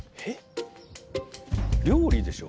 料理でしょ？